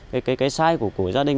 cái sai của của gia đình